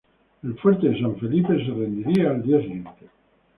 El fuerte de San Felipe se rendiría al día siguiente.